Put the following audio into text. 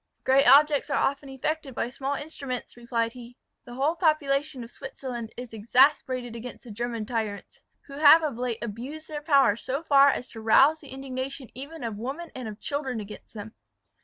"Great objects are often effected by small instruments," replied he. "The whole population of Switzerland is exasperated against the German tyrants, who have of late abused their power so far as to rouse the indignation even of women and of children against them.